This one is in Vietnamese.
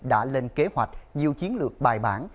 đã lên kế hoạch nhiều chiến lược bài bản